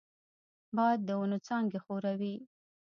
باد د ونو څانګې ښوروي